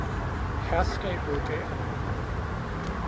Herskabet gav ham den